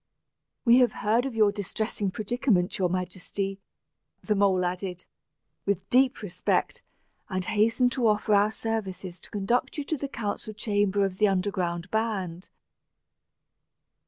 "We have heard of your distressing predicament, your Majesty," the mole added, with deep respect; "and hasten to offer our services to conduct you to the council chamber of the underground band."